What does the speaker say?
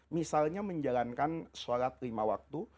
misalnya menjalankan sholat lima waktu